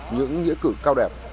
những nghĩa cử cao đẹp